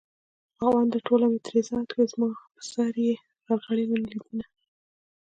خاونده ټوله مې ترې ځار کړې زما په سر يې غرغرې منلي دينه